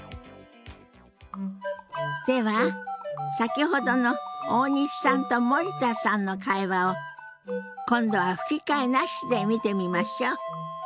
では先ほどの大西さんと森田さんの会話を今度は吹き替えなしで見てみましょう。